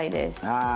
ああ！